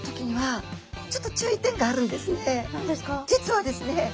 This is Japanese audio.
実はですね